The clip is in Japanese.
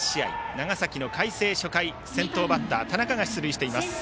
長崎の海星、初回先頭バッターの田中が出塁。